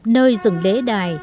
nơi rừng lễ đài